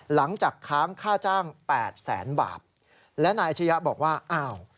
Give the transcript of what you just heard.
ค้างค่าจ้างแปดแสนบาทและนายอาชญะบอกว่าอ้าว